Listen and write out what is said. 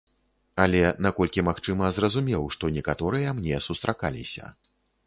Але, наколькі магчыма, зразумеў, што некаторыя мне сустракаліся.